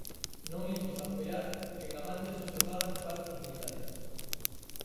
Non imos apoiar que en Navantia só se fagan barcos militares.